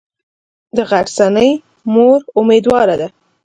د غرڅنۍ مور امیدواره ده.